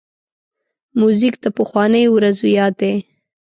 موزیک د پخوانیو ورځو یاد دی.